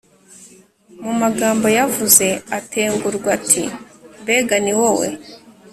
Mu magambo yavuze atengurwa ati Mbega ni wowe